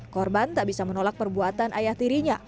korban tak bisa menolak perbuatan ayah tirinya